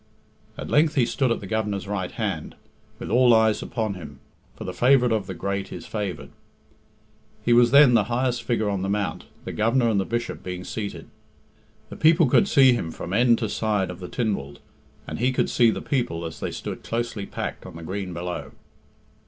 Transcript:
At length he stood at the Governor's right hand, with all eyes upon him, for the favourite of the great is favoured. He was then the highest figure on the mount, the Governor and the Bishop being seated. The people could see him from end to side of the Tynwald, and he could see the people as they stood closely packed on the green below.